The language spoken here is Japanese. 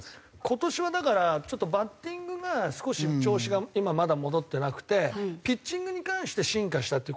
今年はだからちょっとバッティングが少し調子が今まだ戻ってなくてピッチングに関して進化したって。